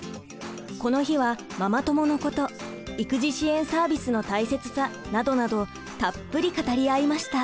この日はママ友のこと育児支援サービスの大切さなどなどたっぷり語り合いました。